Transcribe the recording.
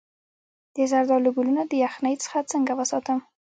د زردالو ګلونه د یخنۍ څخه څنګه وساتم؟